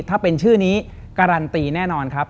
ถ้าเป็นชื่อนี้การันตีแน่นอนครับ